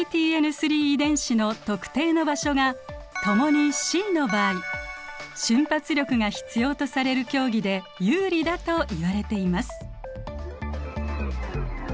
３遺伝子の特定の場所がともに「Ｃ」の場合瞬発力が必要とされる競技で有利だといわれています。